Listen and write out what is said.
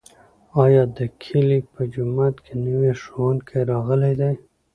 ایا د کلي په جومات کې نوی ښوونکی راغلی دی؟